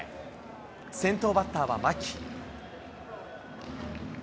先頭バッターは牧。